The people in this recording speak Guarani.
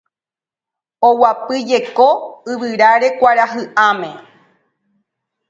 Oguapyjeko yvyráre kuarahy'ãme